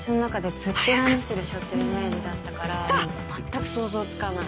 全く想像つかない。